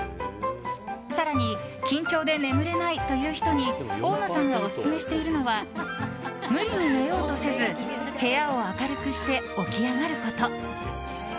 更に、緊張で眠れないという人に大野さんがオススメしているのは無理に寝ようとせず部屋を明るくして起き上がること。